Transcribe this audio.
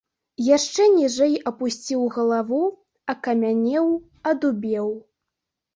Яшчэ ніжэй апусціў галаву, акамянеў, адубеў.